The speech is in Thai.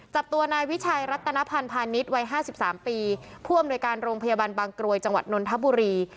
จับตัวนายวิชัยรัตนพันธ์พาณิชย์วัย๕๓ปีผู้อำนวยการโรงพยาบาลบางกรวยจังหวัดนนทบุรี